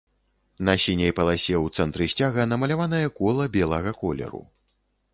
На сіняй паласе ў цэнтры сцяга намаляванае кола белага колеру.